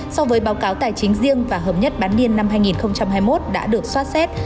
so với báo cáo tài chính riêng và hợp nhất bán niên năm hai nghìn hai mươi một đã được xót xét